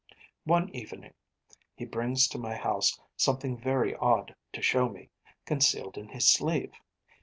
One evening he brings to my house something very odd to show me, concealed in his sleeve.